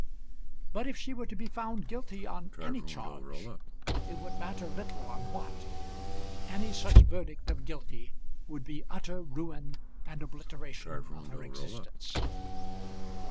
But if she were to be found guilty on any charge, it would matter little on what. Any such verdict of guilty would be utter ruin and obliteration of her existence.